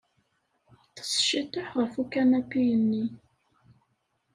Ṭṭes ciṭuḥ ɣef ukanapi-nni.